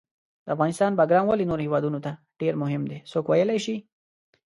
د افغانستان باګرام ولې نورو هیوادونو ته ډېر مهم ده، څوک ویلای شي؟